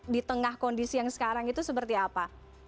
di tengah kondisi yang sekarang itu seperti apa